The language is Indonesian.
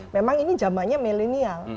memang ini jamannya milenial